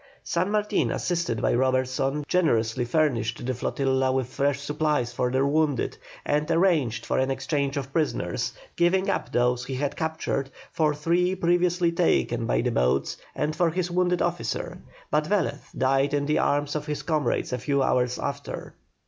San Martin assisted by Robertson, generously furnished the flotilla with fresh supplies for their wounded, and arranged for an exchange of prisoners, giving up those he had captured for three previously taken by the boats and for his wounded officer; but Velez died in the arms of his comrades a few hours after.